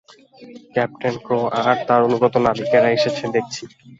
Captain Crow আর তার অনুগত নাবিকেরা এসেছে দেখছি।